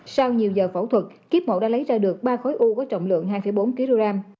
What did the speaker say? sau nhiều giờ phẫu thuật kiếp mổ đã lấy ra được ba khối u có trọng lượng hai bốn kg